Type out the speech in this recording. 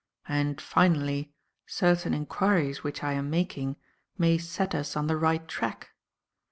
And finally, certain enquiries which I am making may set us on the right track.